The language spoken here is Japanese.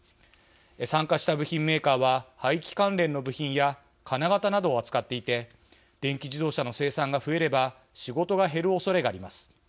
参加した部品メーカーは排気関連の部品や金型などを扱っていて電気自動車の生産が増えれば仕事が減るおそれがあります。